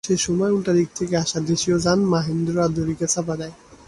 সে সময় উল্টো দিক থেকে আসা দেশীয় যান মাহেন্দ্র আদুরিকে চাপা দেয়।